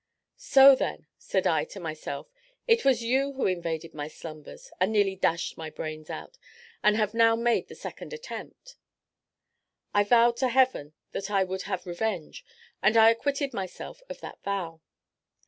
"So then," said I to myself, "it was you who invaded my slumbers, and nearly dashed my brains out, and have now made the second attempt." I vowed to Heaven that I would have revenge; and I acquitted myself of that vow.